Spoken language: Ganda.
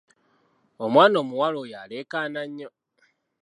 Omwana omuwala oyo aleekaana nnyo.